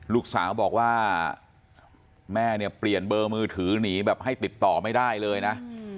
ลูกสาวบอกว่าแม่เนี่ยเปลี่ยนเบอร์มือถือหนีแบบให้ติดต่อไม่ได้เลยนะ